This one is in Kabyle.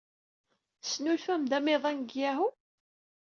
Tesnulfam-d amiḍan deg Yahoo?